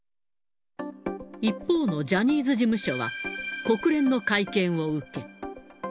一方のジャニーズ事務所は、国連の会見を受け。